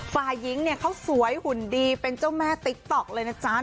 ฝ่ายหญิงเนี่ยเขาสวยหุ่นดีเป็นเจ้าแม่ติ๊กต๊อกเลยนะจ๊ะ